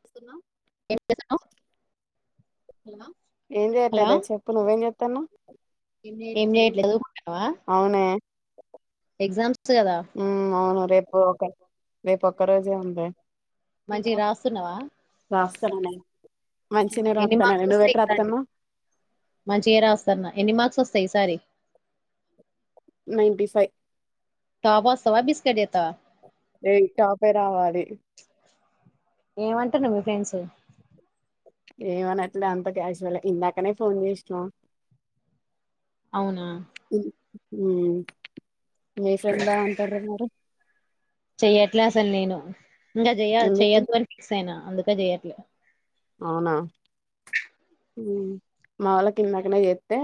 చేస్తున్నా. ఏం చేస్తున్నావ్ తిన్నా ఏం హలో చేయట్లే చెప్పు నువ్వేం చెత్తున్నవ్. ఏం చేయట్లే చదువుకుంటున్నావా అవునే. ఎగ్జామ్స్. వచ్చు కదా. ఉమ్ అవును రేపు ఒకటీ. మంచిగా రాస్తున్నావా రాస్తాను నేను మంచినే ఎన్ని రాస్తాననే మార్క్స్ వస్తాయి. నువ్వెట్ కానీ రాత్తన్నావ్ మంచిగా రాస్తాన్నా ఎన్ని మార్క్స్ వోస్ సే సారి. Ninety five. టాప్ వస్తావా బిస్కెట్ చేస్తావా ఏయ్ టాపే రావాలి. ఏం అంటున్నవ్ మీ ఫ్రెండ్స్ ఏమనట్లే అంత క్యాజువలే ఇందాకనే ఫోన్ చేసినా అవునా. ఉమ్ మెసిందా అంతర మరినారు. చెయ్యట్లే అసలు నేను. ఇంకా చెయ ఎందుకు చెయ్యొద్దు అని ఫిక్స్ అయినా. అందుకే చేయట్లే అవునా మా వాళ్ళకిందకనే చేత్తే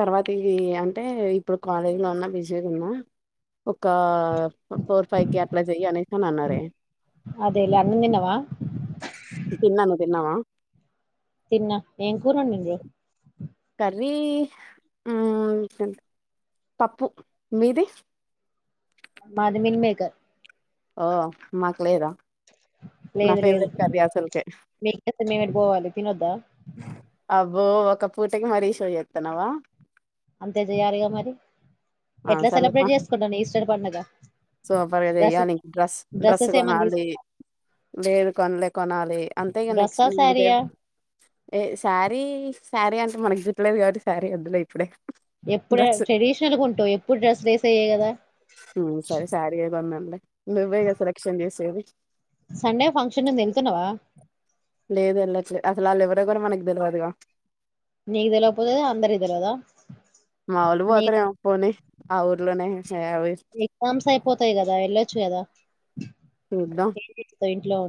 తర్వాతి చెయ్ అంటే ఇప్పుడు కాలేజ్లో ఉన్న బిసిగున్న ఒకా ఫోర్ ఫైవ్కి ఆట్ల చెయ్ అనేసి అన్నారే. అదేలే అన్నం తిన్నావా తిన్నాను తిన్నవా తిన్న. ఏం కూర వండింది. కర్రీ హ్మ్ గంతే పప్పు మీది మాది మిల్మేకర్ ఓ మాకు లేదా నా లేదు లేదు ఫేవరెట్ కర్రీ అసలుకే మికిచేస్తే మేం ఎటు పోవాలి తినొద్దా బో ఒక పూటకి మరీ షో చేత్తన్నావా అంతే చేయ్యాలిగా మరి ఆ ఎట్లా సర్లేపా సెలబ్రేట్ చేసుకుంటాను ఈస్టర్ పండుగ సూపర్ గా డ్రస్ చెయ్యాలి డ్రస్ డ్రస్ కొనాలి లేరు కొనలే కొనాలి అంతే ఇక నెక్స్ట్ డ్రస్సా నేను ఇదే శారీయా ఏ శారీ శారీ అంటే మనకు జుట్టు లేదు కాబటి శారీ వొద్దులే ఇప్పుడే ఎప్పుడె డ్రెస్ ట్రెడిషనల్గంటావు ఎప్పుడు డ్రెస్ వేసేయే కదా సరే శారీ ఏ కొందాంలే నువ్వేగా సెలక్షన్ చేసేది సండే ఫంక్షన్ ఉంది వెళ్తున్నావా లేదు వెళ్ళట్లే అసలు వాళ్ళు ఎవరో కూడా మనకు తెలువదుగా నీకు తెలవకపోతే అందరికీ తెలవదా మావోళ్ళు పోతారేమో పోనీ ఆ ఊర్లోనే ఏ, అవి ఎగ్సామ్స్ అయిపోతాయి కదా ఎల్లో చ్చేదా చూద్దాం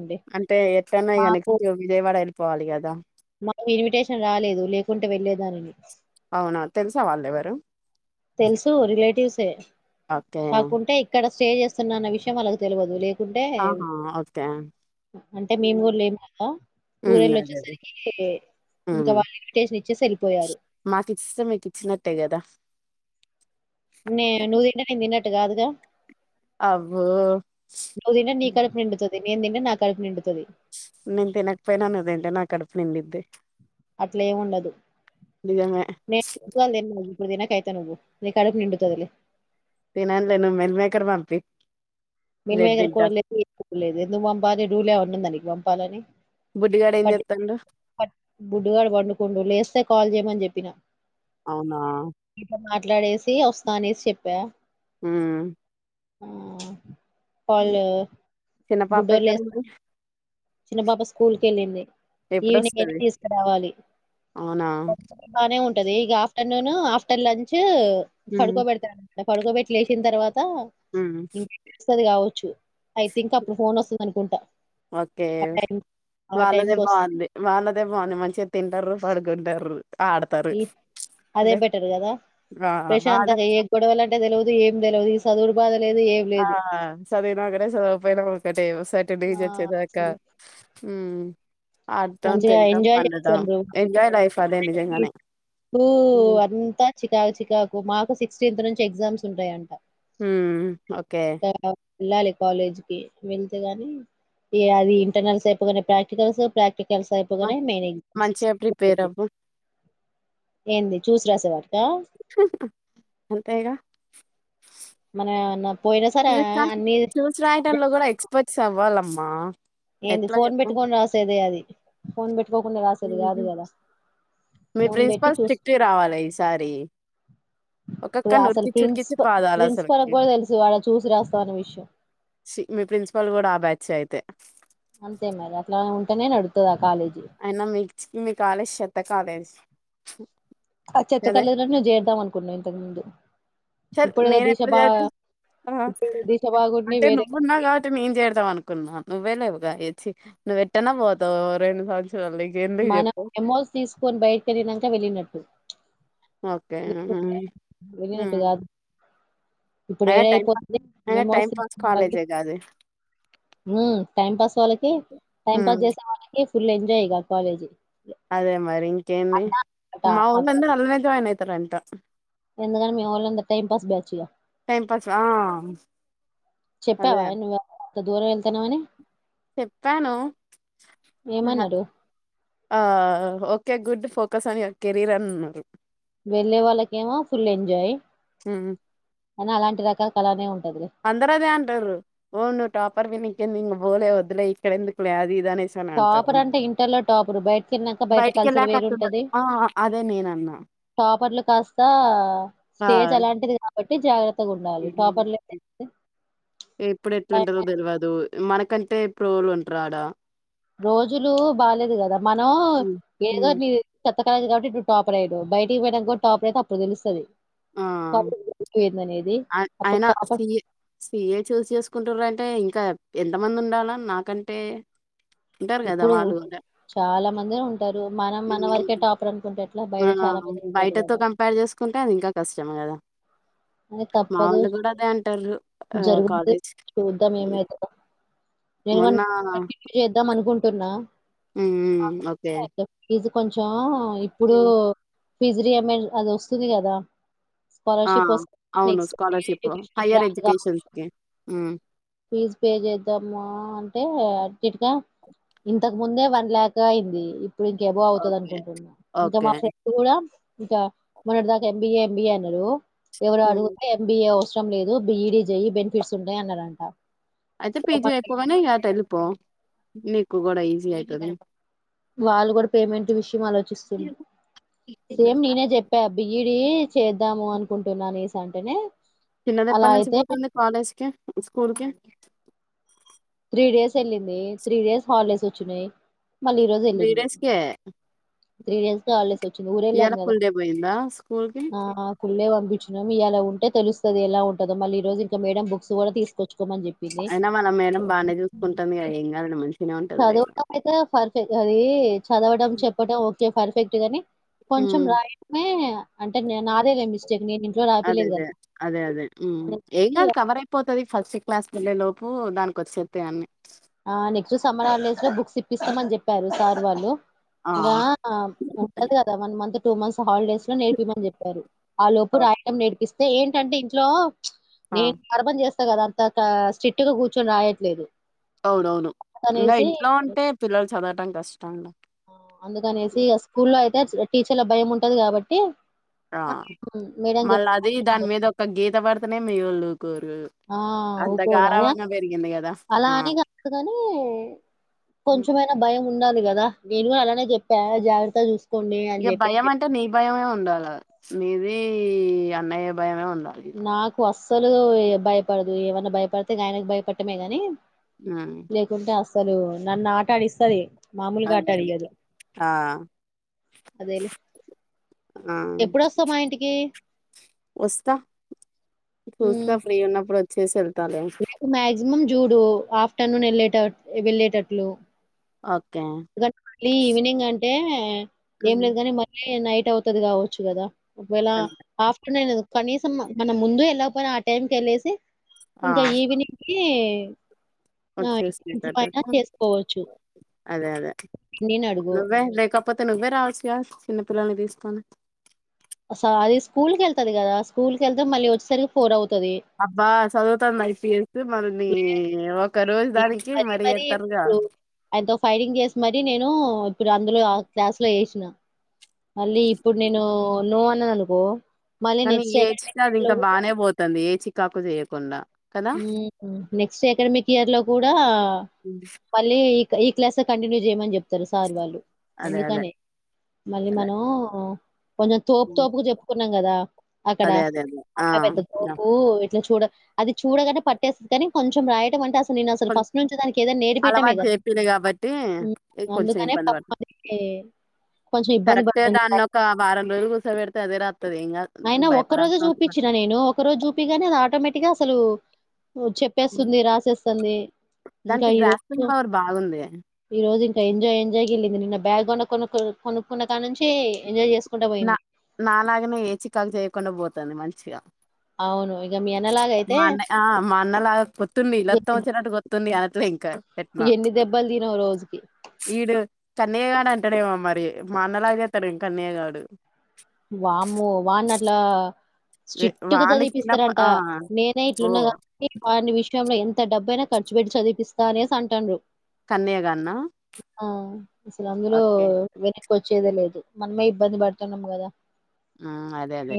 ఉండి అంటే ఎట్లన్నా ఇగ మాకు నెక్స్ట్ విజయవాడ ఎల్ పోవాలి కద మాకు ఇన్విటేషన్ రాలేదు లేకుంటే వెళ్లేదానిని అవునా తెలుసా వాళ్ళు ఎవరు తెలుసు రిలేటివ్సే ఓకే కాకుంటే ఇక్కడ స్టే చేస్తున్నా అన్న విషయం వాళ్ళకు తెలవదు లే కుంటే ఆహా ఓకే అంటే మేము కూడా లేం కదా హ్మ్ అదే అదే ఊరెళ్ళొచ్చేసరికి ఇంక వాళ్ళు ఇన్విటేషన్ ఇ చ్చేస్ ఎళ్ళిపోయారు మాకు ఇచ్చిస్సే మీకిచ్చినట్టే కదా నే నువ్ తింటే నే తిన్నట్ ట్ట్ కాదుగా అబ్బో నువ్వు తింటే నీ కడుపు నిండుతది. నేను తింటే నా కడుపు నిండుతది నేన్ తినక పొయ్ నా నువ్ తింటే నా కడుపు నిండిద్ది అట్లా ఏముండదు నిజమే నే [unintelligible] ఇప్పుడు తినకైతే నువ్వు నీ కడుపు నిండుతాది లే తనను లే నువ్ మీల్ మేకర్ పంపి మీల్ రేపు మేకర్ తింటా కూర లేదు [unintelligible] లేదు ఎందుకు పంపాలి రూల్లేమన్నుందా నీ పంపాలని బుడ్డిగాడు ఏం పట్టి చేత్తండు ప బుడ్డుగాడు పండుకుండు లేస్తే కాల్ చెయ్యమని చెప్పినా అవునా ట్లాడేసి వస్తా అనేసి చెప్పా ఉ ఊ పలు చిన్న పాప ఎక్కడ ఉంది చిన్న పాప స్కూల్కి ఏళ్ళింది ఈవినింగ్ వెళ్ళి ఎప్పుడొస్తది తీసుకురావాలి అవునా తానే ఉన్ టది ఇగ అఫ్టర్నూను ఆఫ్టర్ లంచు హ్మ్ పడుకోబడతా పడుకోబెట్టి లేసిన తర్వాత తా హ్మ్ [unintelligible] స్తది కావచ్చు ఐ థింక్ ఇంకా అప్పుడు ఫోన్ వస్తుంది అనుకుంటా ఓకే ఆ టైం ఆ టైం వాళ్ళదే కి వస్తుంది బాగుంది వాళ్ళదే బాగుంది మంచిగా తింటారు పాడుకుంటారు ఈ అదే బెటర్ కదా ఆ ఆడ ప్రశాంతంగా ఏ గొడవలు అంటే తెలియదు ఏమి తెలిదు ఈ చదువులు ఆ చదివనా ఒకటే చదవకపోయినా ఒకటే సర్టెన్ ఏజ్ ఆ వచ్చేదాకా అసలు ఉ మంచిగా ఎంజాయ్ చేస్తాన్నారు ఎంజాయ్ లైఫ్ అదే నిజంగానే [unintelligible] కు హ్మ్ అంతా చికాకు చికాకు మాకు సిక్స్టీన్త్ నుంచి ఎగ్జామ్స్ ఉంటాయంట ఉ ఓకే ఇంకా వెళ్ళాలి కాలేజ్ కి వెళ్తే గానీ ఏ అది ఇంటర్నల్ అయిపోతానే ప్రాక్టికల్స్ ప్ర క్లస్ అయిపో మ గానే మెయిన్ ఎగ్జామ్స్ మంచిగా ప్రిపేర్ అవ్వు ఏంది చూసి రాసేవారు అంతేగా మన న్న పోయినా సరీ అన్ని ముప్పతి సవ్వాలమ్మా ఏంది ఫోన్ పెట్టుకోని రాసేదే అది ఫోన్ బే ఉ మీ ఫోన్ పెట్టి ప్రిన్సిపల్ చూసి స్ట్రిక్ట్ రావాలే ఈసారి ఇప్పుడు ఒకొక్కరిని అసలు ఉరికిచ్చి ఉరికిచ్చి ప్రిన్సిప బదాలి ప్రిన్సిపల్ అసలీకి కూడా తెలుసు వాడ చూసి రాస్తాం అనే విషయం సీ మీ ప్రిన్సిపల్ కూడా ఆ బ్యాచ్ చ్చయితే అంతే మరి అట్లా ఉంటేనే నడుతది కాలేజీ అయినా మీక్ మీ కాలేజ్ చెత్త కాలేజ్ ఆ చెత్త గదే. కలేజ్ లోనే నువ్వు చేరుద్దాం అనుకున్నావు బంధు చల్ నేన ఎప్పుడు చేరత ఆ ఇప్పుడు దిశ బాగుండి అంటే వేరే నువ్వున్నావు కాబట్టి నేను చేరాతాం అనుకు న్నా నువ్వే లేవు కాయచ్చి నువ్ ఎట్టన్న పోతావ్ రెండు సార్లు మనం ఎమోల్స్ తీసుకొని బయటకెళ్ళినంక వెళ్ళినట్టు ఓకే లేకుంటే వెళ్ళినట్టు మ్మ్ కాదు ఇప్పుడు ఏడయిపోతుంది అయినా మేము టైం వస్త పాస్ మళ్ళీ కాలేజేగా అది. టైం పాస్ వాళ్ళకి టైమ్ పాస్ హ్మ్. జేసే వాళ్ళకి ఫుల్ ఎంజాయ్ ఇగా కాలేజ్ అదే మరి ఇంకేన్ని మాఊల్ అట అంద అల్నే జాయిన్ అయితార అంత ఆ ఎందుకని మే ఓన్లీంత టైం పాస్ బ్యాచ్గా టైం పాస్ ఆ! అదే చెప్పావా నువ ఇ దూరం వెళ్తుాన్నామని చెప్పాను ఏమన్నారు ఆ ఓకే గుడ్ ఫోకస్ అని కెరీర్ అని ఆన్నారు వెళ్ళే వాళ్ళకి ఏమో ఫుల్ ఎంజాయ్ మ్మ్ అని అలాంటి రకాల కనే ఉన్ పంద్ర ద అన్ ర టాపర్ విని ంది పోలే వద్దులే ఇక్కడెందుకులే అది ఇది అనేసి అని అంటారు టాపర్ అందరు అంటే ఇంటర్ లో టాపర్ బయటకి వెళ్ళాక బయట కలిసిన బయటికెళ్ళాక వేరు అట్లుండదు ఉంటది ఆ అదే నేనన్నా టాపర్లు కాస్త స్టేజ్ అలాంటిది కాబట్టి జాగ్రత్త ఇప్పుడు ఎట్లుంటందో తెల్వదు మనకంటే ప్రోలు ఉంటారు ఆడా రోజులు బాలేదు కదా మనం ఉమ్ ఏదో ఉమ్ నీ ాల కాట్టి ఇటు టాపరైడు బయటికి పోయడానికి కూడా టాపర్ అయితే అప్పుడు తెలుస్తది ఆ కాలేజ్ ఏందనేది అప్పుడు అయినా స టాపర్ సిఏ చూసి చేసుకుంటారంటే అంటే ఇంకా ఎంత మంది ఉండాలా నాకంటే ఉంటారు కదా ఇప్పుడు వాళ్ళు కూడా చాలా మంది ఉంటారు మనం మన వరకే హ్మ్. టాపర్ అనుకుంటారు ఆ బయటతో కంపేర్ చేసుకుంటే అది ఇంకా కష్టం కదా అని మా తప్పదు వాళ్ళు కూడా అదే అంటారు ఆ జరుగుంది కాలేజ్ చూద్దాం ఏమైతదో నేను మొన్న చేద్దాం అనుకుంట్ కొన్నా మ్మ్ ఓకే కొంచం ఇప్పుడూ హ్మ్. ఫిజరియామెల్ అది వస్తుంది కదా ఆ! స్కాలర్షిప్ వస్త అవును. నెక్స్ట్ స్కాలర్‌షిప్ [unintelligible] హైయర్ ఎడ్యుకేషన్స్‌కి. హ్మ్. గ్రాండ్గాఫీజ్ పే చేద్దామా అంటే ఇంకా ఇంటర్ ముందే వన్ ల్యాక్ అయింది. ఇప్పుడు ఇంక అబొవ్ అవుతుంది ఓకే. అనుకుంటున్నా ఇంకా మా ఓకే. ఫ్రెండ్ కూడా ఇంకా మొన్నటి దాకా ఎంబీఏ ఎంబీఏ అన్నారు. ఎవరు హ్మ్. అడుగుతే ఎంబిఏ అవ సరం లేదు బీ డీ చెయ్యి బెనిఫిట్స్ ఉంటాయి అన్నారంట అయితే సో పిజీ మరి అయిపోగానే అటెల్లిపో నీకు కూడా ఈజీ అయితది. వాళ్ళు కూడా పేమెంట్ విషయం ఆలోచిస్తుంది సేమ్ నేనే చెప్పా బిఈ ఇది చేద్దాము అనుకుంటున్నానేసి అంటనే చిన్నది ఎప్పటి నుంచి పోతుంది కాలేజ్ కి స్కూల్ కి త్రీ డేస్ వెళ్ళింది. త్రీ డేస్ హాలిడేస్ వచ్చినయి. మళ్ళీ ఈ రోజు వెళ్ళింది. డేస్‌కే. త్రీ డేస్ కే హాలిడేస్ వచ్చింది ఊర వెళ్ళాం ఇయాల కదా ఫుల్ డే పోయిందా స్కూల్‌కి? ఆ ఫుల్ డే పంపి ఇయలా ఉంటే తెలుస్తది ఎలా ఉంటదో మళ్ళీ ఈ రోజు ఇంక మేడం బుక్స్ కూడా తీసుకోచ్చు కోమని చెప్పింది అనే చూసుకుంటంది ఏం కాదండి మంచిగనే ఉంటంది లేైఫ్ తే ఇగ అది చదవడం చెప్పడం ఓకే ఫర్ఫెక్ట్ గానీ కొంచం హ్మ్. రైటే అంటే నే నాదేలే మిస్ అదే అదే అదే అదే ఊ ఏం నెక్స్ట్ కాదు కవరయిపోతది. ఫస్ట్ క్లాస్ కెళ్ళే లోపు దానికి వచ్చేత్తాయన్ని డి ఇపిస్తామని చెప్పారు సార్ వాళ్ళు ఇంకా ఆ! ఉంటది కదా one month two months holidays లో నేర్పిమని చెప్పారు. ఆ లోపు రాయటం నేర్పిస్త అదే ఏంటంటే ఇంట్లో ఆ! నేను గర్బం చేస్తా కదా అ త స్ట్రిక్ట్గా కూర్చొని రాయట్లేదు అవునవును ఇంగా అందుకనేసి ఇంట్లో ఉంటే పిల్లలు చదవటం కష్టం ఆ అందుకనేసి ఇగ స్కూల్లో అయితే టీచర్ల భయం ఉంటది గాబట్టి ఆ మళ్ళ అది దాని మీద ఒక గీత భర్తనే మీ ఓళ్ళు ఆ ఊకోదు అద పెరిగింది గదా! అలా ఆ! అని కాదుగాని హ్మ్. కొంచమైనా భయం ఉండాలి కదా నేను అలానే చెప్పా జాగ్రత్త చూస్తా ఇఅ భయం అంటే నీ భయమే ఉండాలి మీది అన్నయ్య భయమే ఉంది నాకు అస్ లు భయపడదు ఏమన్న భయపడితే గాయనకి భయపడమే గాని హ్మ్. లేకుంటే వస్త అసలు నన్ను ఆటాడిస్తది ఆ అదేలే మ్ ఎప్పుడొస్తావ్ మా ఇంటికి ఒస్త సూస్త ఫ్రీ ఉన్నప్పుడు చేసెల్ మాక్సిమం జూడు ఆఫ్టర్నూన్ వెళ్ళేట వెళ్ళేటట్లు ఓకే. ఎందుకంటే మళ్ళీ ఈవినింగ్ అంటే ఏం హ్మ్. లేదు కాని మళ్ళీ నైట్ ట్ అవుతుది గావచ్చు గదా ఒకవేళ అదే. ఆఫ్టర్నూన్ కనీసం మన ముందు ఎలా ఆ టైమ్ కేలేసి ఇంకా ఈవినింగ్ ఈ చ్చేసిన్నట్టయితే అదే అదే పిన్నినడుగు. నువ్వే లేకపోతే నువ్వే రావచ్చుుగ చిన్న పిలల్ల్ని తీ స్తాను అస అది స్కూల్ క ఎళ్తుది కదా స్కూల్ క వెళ్తే మళ్ళీ వచ్చేసరికి ఫోర్ అవు అబ్బా చదువుతన్నాయి స మరినీ లే ఒక రోజు నేను దానికి మరీ మరి ఎ మరీ తరుగా ఇప్పుడు నూ ఇప్పుడు అందులో ఆ క్లాస్ లో ఏశి నా అల్లి ఇప్పుడు నేను నో [inaudible] అనుకో కానీ ఏచినది ఇంకా బాగానే పోతంది ఏచి తకు చేయకుండా కదా! మ్మ్ నెక్స్ట్ అకాడమిక్ ఇయర్ లో కూడా హ్మ్. మళ్ళీ ఈ క్లాస్ కంటిన్యూ చేయమని చెప్ ఇస్తారు సార్ వాళ్ళు అదే. అదే. అందుకని మళ్ళీ అదే. మనం ఓ కొంచెం తోపు తోపుకు చెప్పుకున్నాం కదా అక్కడ అదే. అదే. అదే. ఆ! అమ్మాయి పెద్ద యాహ్! తోపు చూడ అది చూడగానే పట్టేసిద్ధి ఆనీ కొంచెం రాయడం అంట కొం అలవాట్ చేప్పిన కాబట్టి హ్మ్. కొంచెం అందుకనే ఇబ్బంది పాపం పడతంది అది కొంచెం ఇబ్బంది కరెక్ట్గా పడుతుంది. దాన్ని ఒక వారం రోజులు కూస పెడ్ ద రా అయినా ఒక్క రోజు చూపించిన నేను ఒక రోజు చూపిగానే అది ఆటోమేటిక్గా అసలు చెప్పేస్తుంది రాసేస్తుంది ఇంకా దానికి ఈ గ్రాస్పింగ్ పవర్ బాగుంది ఎంజాయ ఎంజాయ్కి వెళ్ళి నిన్న బక్గ్రౌండ్ కొ కొనుక్కున్న కాని నుంచి ఎంజాయ్ చేస్ నా నాాలగనే ఏచి ఇక్కగా చేయకుండా పోతంది మంచిగా అవును ఇక మీ అన్నలాగా అయితే మా అన్న ఆ మా అన్న లాగా కొత్తుంది లొత్తం ఎన్ని వచ్చినట్టు కొత్తుంది అనట్లో ఇంకా పెట్నా ఎన్ని దెబ్బలు తినవు రోజుకి ఈడు కన్నిగగాడంటడేమో మరి మా అన్నలాగచేత్తడు ఇం కన్నేగాడు. వాము వానట్లా వే స్ట్రిక్ట్ గా వాని చిన్నప్ప చదివిపిస్తారంట ఆ నేనే ఓ ఇట్లున్నా కాబనీ వాని విషయంలో ఎంత్ ఇంత డబ్బైయినా ఖర్చు పెట్ చదిపిస్తా అనే అంటాన్నారు కన్నయ్యగాన్న ఆ అసలు అందులో ఓకే వచ్చేదే లేదు మనమే ఇబ్బంది పడుతున్నాం కదా మ్మ్ అదే అదే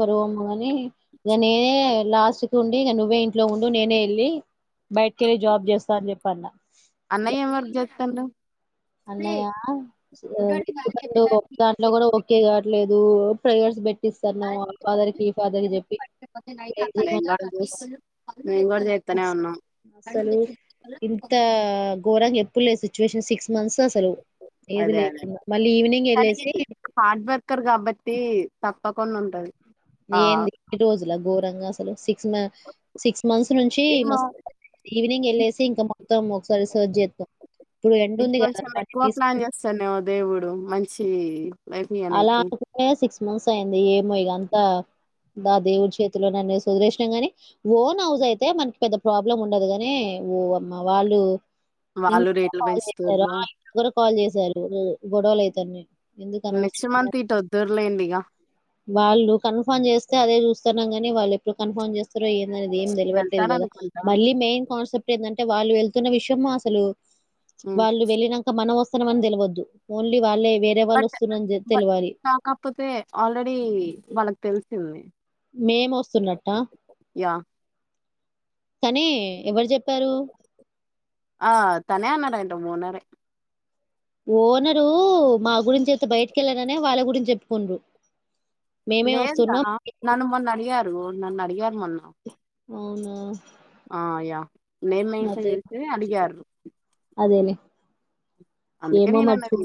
పరువమ్మ కాని ఇ నేనే లాస్ట్ క ఉండి నువ్వే ఇంట్లో ఉండు నేనే వెళ్ళి బయటకెళ్ళి జాబ్ చేస్తా అని చెప్ప అన్న హలో అన్నయ వెండు దాంట్లో కూడా ఒకే కావట్లేదు మ్మ్ ప్రేయర్స్ బెట్ స్తున్నా ఫాదర్ కి ఫాదర్ కి చెప్పి మేం కూడా చూస్ మేం కూడా చేత్తనే ఉన్నాం అసలు ఇంత ఘోరంగా ఏప్ పులే సిచ్యువేషన్ సిక్స్ మన్సాసలు అదే అదే పనికెళ్ళి హాడ్ వర్కర్ కాబట్టి త. పకుండుంటది ఏంది [unintelligible] రోజుల ఘోరంగా అసలు సిక్స్ మ్యా సిక్స్ మంత్స్ నుంచి మస్ ఈవినింగెళ్ళేసి ఇంకా మొత్తం ఒక్సారి సర్చ్ జేత్తాం ఇప్పుడు ఎండుంది కదా [unintelligible] వాసుకు డు మంచి లైఫ్ అలా ఇయ్యనీకి [unintelligible] సిక్స్ మంత్సైంది ఏమో ఇగంతా బ దేవుడి చేతిలోననేసి వదిలేష్నం గాని. ఓన్ హౌజైతే మన్కి పెద్ద ప్రాబ్లముండదు గాని ఓ అమ్మ వాళ్ళు. ఇ వాళ్ళు [unintelligible] రేట్లు కాల్ జేత్తారా పెంచుతుర్రు [unintelligible] కాల్ జేశారు గొడవలయ్తాన్నాయ్ నెక్స్ట్ మంత్ ఇటొద్దుర్లేండిగ. వాళ్ళు కన్ఫామ్ జేస్తే అదే జూస్తన్నాం గా. ని వాళ్ళెప్పుడు కన్ఫామ్ జేస్ ఇప్పుడే ఏందనేది ఏంతెలవట్లేదు గదా వెళ్తారనుకుంటా మళ్ళీ మెయ్న్ కాన్సెప్ట్ ఏందంటే వాళ్ళు వెల్. తున్న విషమా అసలు. హ్మ్ వాళ్ళు వెళ్ళినంక మనం వొస్ కొంతమంది తెలవద్దు ఓన్లీ వాళ్ళే వేరే వాళ్ళు బట్ వస్తున్నారని బట్ తెలవాలి సౌకాప్పొతే ఆల్రెడీ. వాళ్ళక్ తెలిసింది మేమొస్తున్నట్టా యా కనీ ఎవర్ జెప్పారు. ట మూన్నరే ఓనరు మా గురించెత్తే బయటికెళ్ళగానే వాళ్ళ గురించెప్పుకుండ్రు. లేదురా నన్ను మొన్న అడిగారు నన్నడిగారు మొన్న. ఔను ఆ యా నేమ్ మెన్షన్ చేసి అడిగార్రు. అదేలే ఏమో నేను మరి అన్నది చూడు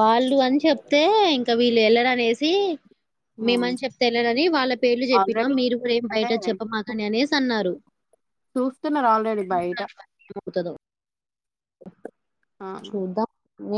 వాళ్ళు అని చెప్తే ఇంకా వీళ్ వీల్లు ఎల్లర నేసి హ్మ్ మేమని చెప్తే ఎల్లరని వాళ్ళ పేర్లు చెప్పినాం ఆల్రెడీ మీరు కూడా ఏం అంటే బయట చెప్పమాకని అనేసి అన్నారు చూస్తున్నారు ఆల్రెడీ బయట ఏమవుతదో ఆ ఏ